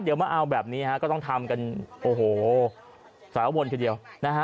เดี๋ยวมาเอาแบบนี้ฮะก็ต้องทำกันโอ้โหสาววนทีเดียวนะฮะ